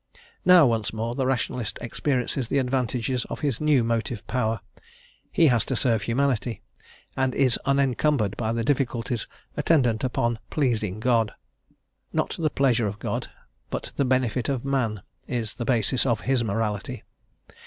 Now, once more, the Rationalist experiences the advantages of his new motive power; he has to serve Humanity, and is unencumbered by the difficulties attendant upon "pleasing God." Not the pleasure of God, but the benefit of man, is the basis of his morality.